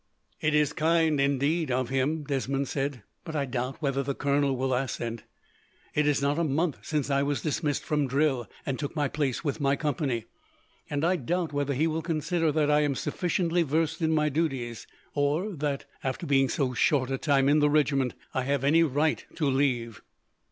"It is kind, indeed, of him," Desmond said, "but I doubt whether the colonel will assent. It is not a month since I was dismissed from drill, and took my place with my company, and I doubt whether he will consider that I am sufficiently versed in my duties, or that, after being so short a time in the regiment, I have any right to leave."